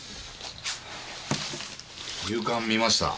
夕刊見ました。